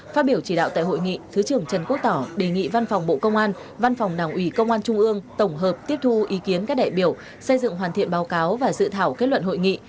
phát biểu chỉ đạo tại hội nghị thứ trưởng trần quốc tỏ đề nghị văn phòng bộ công an văn phòng đảng ủy công an trung ương tổng hợp tiếp thu ý kiến các đại biểu xây dựng hoàn thiện báo cáo và dự thảo kết luận hội nghị